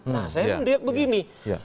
nah saya lihat begini